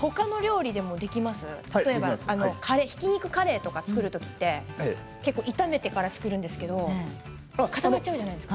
それってひき肉カレーとか作るときって炒めてから作るんですけれど固まっちゃうじゃないですか。